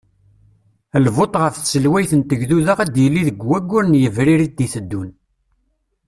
Lvot ɣef tselwayt n tegduda ad d-yili deg waggur n Yebrir id-teddun.